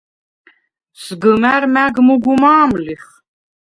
სგჷმა̈რ მა̈გ მუგუ მა̄მ ლიხ.